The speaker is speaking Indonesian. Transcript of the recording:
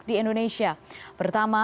di indonesia pertama